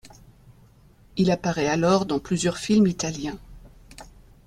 Il apparait alors dans plusieurs films Italiens.